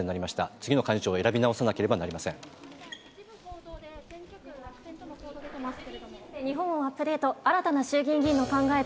次の幹事長を選び直さなければいけません。